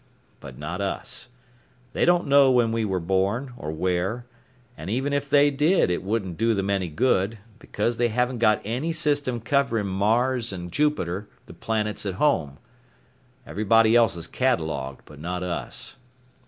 But not us. They don't know when we were born, or where, and even if they did it it wouldn't do them any good, because they haven't got any system covering Mars and Jupiter, the planets at home. Everybody else is catalogued, but not us."